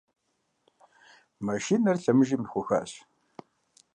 Машинэр лъэмыжым ехуэхащ.